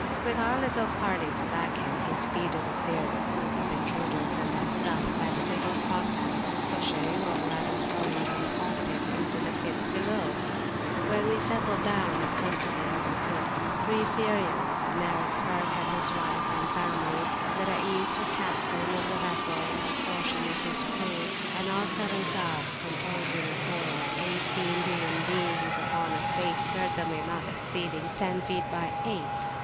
With our little party to back him, he speedily cleared the poop of intruders and their stuff by the simple process of pushing or rather throwing them off it into the pit below. We then settled down as comfortably as we could; three Syrians, a married Turk with his wife and family, the Rais or captain of the vessel, [p.190] with a portion of his crew, and our seven selves, composing a total of eighteen human beings, upon a space certainly not exceeding ten feet by eight.